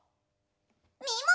みもも！